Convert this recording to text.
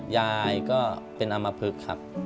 ยายก็เป็นอามพฤกษ์ครับ